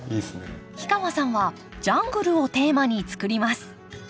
氷川さんはジャングルをテーマにつくります